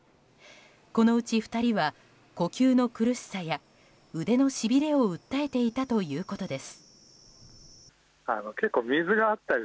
このうち２人は呼吸の苦しさや腕のしびれを訴えていたということです。